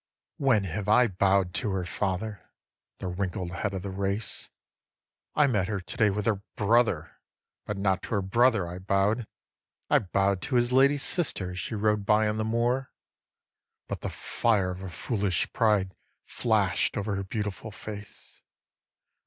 3. When have I bow'd to her father, the wrinkled head of the race? I met her to day with her brother, but not to her brother I bow'd; I bow'd to his lady sister as she rode by on the moor; But the fire of a foolish pride flash'd over her beautiful face.